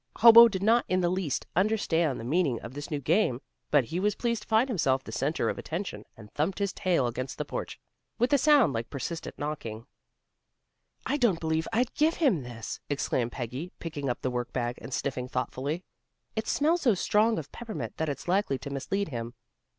Hobo did not in the least understand the meaning of this new game, but he was pleased to find himself the centre of attention, and thumped his tail against the porch with a sound like persistent knocking. "I don't believe I'd give him this," exclaimed Peggy, picking up the work bag and sniffing thoughtfully. "It smells so strong of peppermint that it's likely to mislead him."